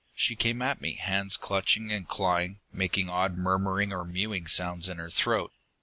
"She came at me, hands clutching and clawing, making odd murmuring or mewing sounds in her throat.